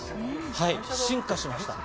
進化しました。